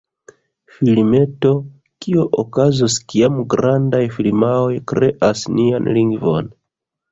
Filmeto: 'Kio okazos kiam grandaj firmaoj kreas nian lingvon?